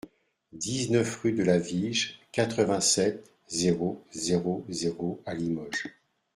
dix-neuf rue de la Vige, quatre-vingt-sept, zéro zéro zéro à Limoges